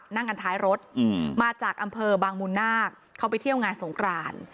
นั่งกันท้ายรถมาจากอำเภอบางมูลนาคเขาไปเที่ยวงานสงคราน